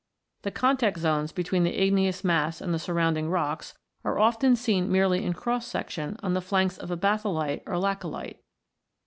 The contact zones between the igneous mass and the surrounding rocks are often seen merely in cross section on the flanks of a batholite or laccolite.